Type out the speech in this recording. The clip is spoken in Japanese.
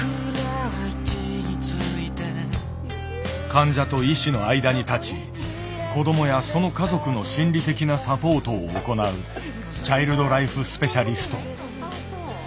患者と医師の間に立ち子どもやその家族の心理的なサポートを行うチャイルド・ライフ・スペシャリスト。